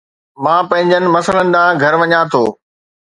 مان پنهنجي مسئلن ڏانهن گهر وڃان ٿو